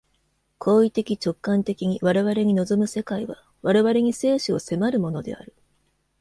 行為的直観的に我々に臨む世界は、我々に生死を迫るものである。